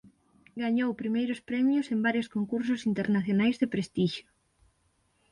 Gañou primeiros premios en varios concursos internacionais de prestixio.